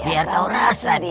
biar kau rasa dia